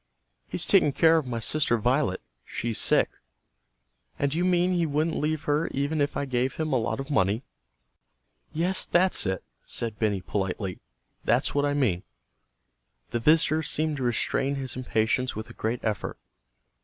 "He's taking care of my sister Violet. She's sick." "And you mean he wouldn't leave her even if I gave him a lot of money?" "Yes, that's it," said Benny politely. "That's what I mean." The visitor seemed to restrain his impatience with a great effort.